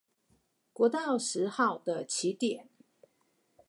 國道十號的起點